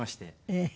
ええ。